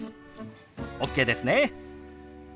ＯＫですね。